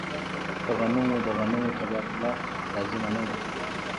په غنمو د غنمو تبادله لازمه نه ده.